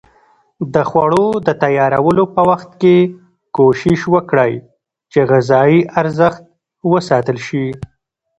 د خوړو د تیارولو په وخت کې کوښښ وکړئ چې غذایي ارزښت وساتل شي.